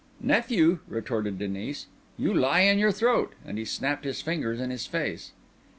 "Nephew!" retorted Denis, "you lie in your throat;" and he snapped his fingers in his face.